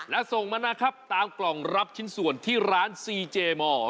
และส่งมานะครับตามกล่องรับชิ้นส่วนที่ร้านซีเจมอร์